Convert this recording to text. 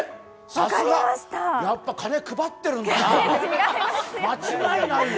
さすが、やっぱ金、配ってるんだな、間違いないよ。